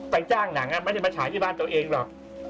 จ้างหนังไม่ได้มาฉายที่บ้านตัวเองหรอก